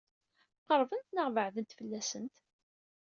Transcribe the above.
Qeṛbent neɣ beɛdent fell-asent?